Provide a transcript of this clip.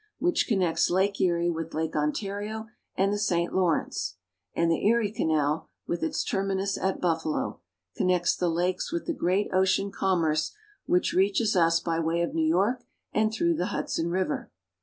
which connects Lake Erie with Lake Ontario and the St. Lawrence ; and the Erie Canal, with its terminus at Buffalo, connects the lakes with the great ocean commerce which reaches us by way of New York and through the Hudson River.